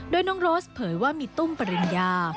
โดยน้องโรสเผยว่ามีตุ้มปริญญา